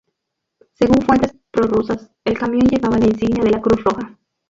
Según fuentes prorrusas, el camión llevaba la insignia de la Cruz Roja.